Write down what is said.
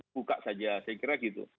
buka saja saya kira gitu